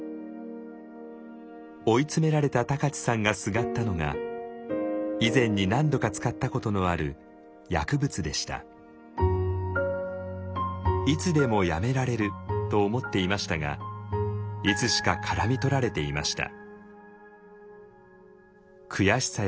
追い詰められた高知さんがすがったのが以前に何度か使ったことのある薬物でした。と思っていましたがいつしか絡み取られていました。